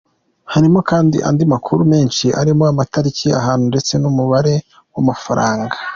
Harimo kandi andi makuru menshi, arimo amatariki, ahantu ndetse n’umubare w’amafaranga.